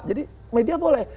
jadi media boleh